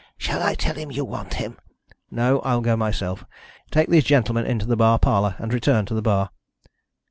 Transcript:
Shall I tell him you want him?" "No. I will go myself. Take these gentlemen into the bar parlour, and return to the bar."